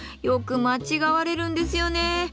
よく間違われるんですよね。